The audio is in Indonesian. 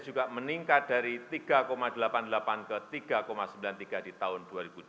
juga meningkat dari tiga delapan puluh delapan ke tiga sembilan puluh tiga di tahun dua ribu dua puluh